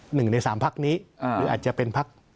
หนึ่งในสามพักนี้หรืออาจจะเป็นพัก